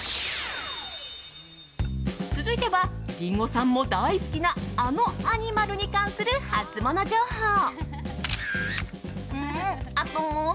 続いては、リンゴさんも大好きなあのアニマルに関するハツモノ情報。